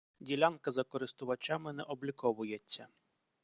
Ділянка за користувачами не обліковується.